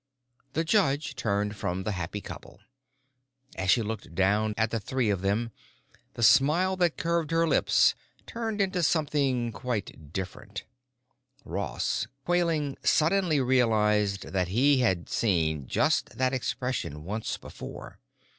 The judge turned from the happy couple. As she looked down at the three of them the smile that curved her lips turned into something quite different. Ross, quailing, suddenly realized that he had seen just that expression once before.